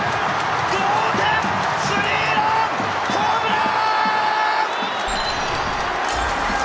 同点スリーランホームラン！